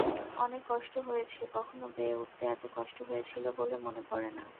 অনেক কষ্ট হয়েছে, কখনো বেয়ে উঠতে এত কষ্ট হয়েছিল বলে মনে পড়ে না।